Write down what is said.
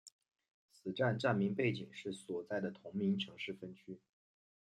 此站站名背景是所在的同名城市分区。